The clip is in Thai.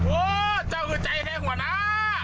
โอ้เจ้าคือใจแห้งหัวหน้า